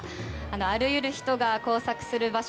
あらゆる人が交錯する場所